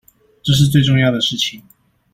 這是最重要的事情